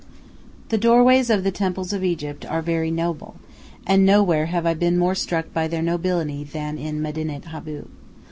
The doorways of the temples of Egypt are very noble, and nowhere have I been more struck by their nobility than in Medinet Abu.